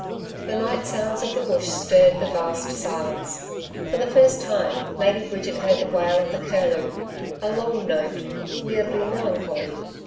The night sounds of the bush stirred the vast silence. For the first time, Lady Bridget heard the wail of the curlew a long note, weirdly melancholy.